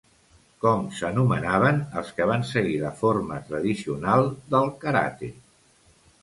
Com s'anomenaven els que van seguir la forma tradicional del karate?